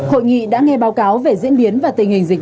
hội nghị đã nghe báo cáo về diễn biến và tình hình dịch